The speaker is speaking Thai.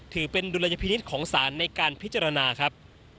ถือเป็นดุลยพินิษฐ์ของศาลในการพิจารณาครับ